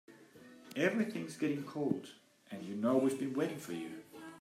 Everything's getting cold and you know we've been waiting for you.